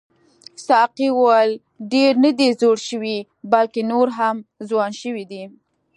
ساقي وویل ډېر نه دی زوړ شوی بلکې نور هم ځوان شوی دی.